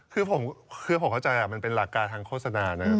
คือผมเข้าใจมันเป็นหลักการทางโฆษณานะ